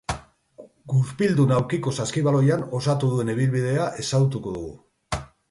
Gurpildun aulkiko saskibaloian osatu duen ibilbidea ezagutuko dugu.